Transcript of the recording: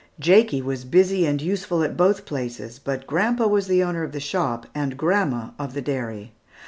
Jakie was busy and useful at both places, but grandpa was owner of the shop, and grandma of the dairy.